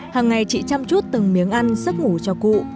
hằng ngày chị chăm chút từng miếng ăn sức ngủ cho cụ